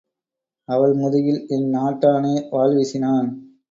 அவள் முதுகில் என் நாட்டானே வாள் வீசினான்.